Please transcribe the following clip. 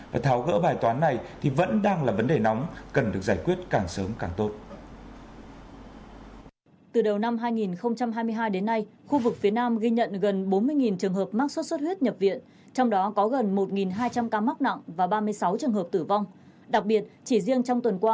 và tháo gỡ bài toán này thì vẫn đang là vấn đề nóng cần được giải quyết càng sớm càng tốt